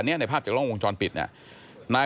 อันนี้ในภาพจากล่องวงจรปิดนะฮะ